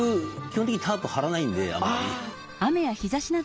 基本的にタープ張らないんであんまり。